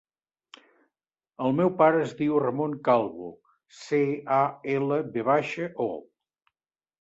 El meu pare es diu Ramon Calvo: ce, a, ela, ve baixa, o.